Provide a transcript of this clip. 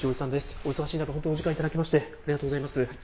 お忙しい中、本当にお時間頂きまして、ありがとうございます。